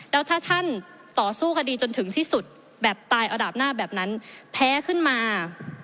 แล้วถ้าท่านต่อสู้คดีจนถึงที่สุดแบบตายระดับหน้าแบบนั้นแพ้ขึ้นมา